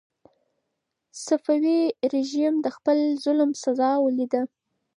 صفوي رژیم د خپل ظلم سزا ولیده.